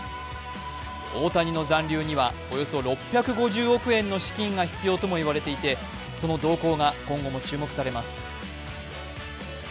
大谷の残留にはおよそ６５０億円の資金が必要とも言われていて、その動向が今後も注目されます。